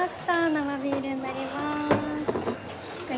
生ビールになりまーすご